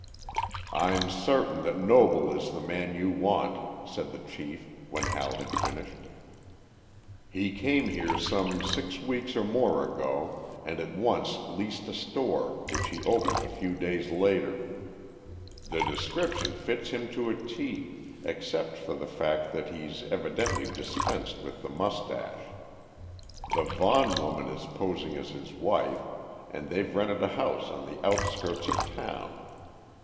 "I'm certain that Noble is the man you want," said the chief, when Hal had finished. "He came here some six weeks or more ago and at once leased a store, which he opened a few days later. The description fits him to a T, except for the fact that he's evidently dispensed with the mustache. The Vaughan woman is posing as his wife and they've rented a house on the outskirts of town.